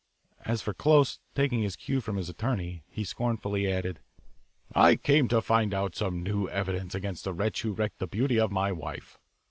As for Close, taking his cue from his attorney, he scornfully added: "I came to find out some new evidence against the wretch who wrecked the beauty of my wife.